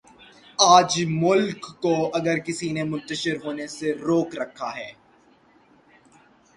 آج اس ملک کو اگر کسی نے منتشر ہونے سے روک رکھا ہے۔